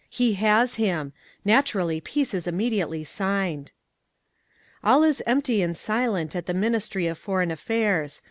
He has him! Naturally, peace is immediately signed…. "All is empty and silent at the Ministry of Foreign Affairs.